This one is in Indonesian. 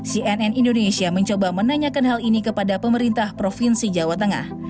cnn indonesia mencoba menanyakan hal ini kepada pemerintah provinsi jawa tengah